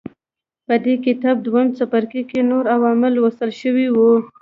په دې کتاب دویم څپرکي کې نور عوامل لوستل شوي وو.